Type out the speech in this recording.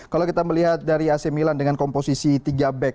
kalau kita melihat dari ac milan dengan komposisi tiga back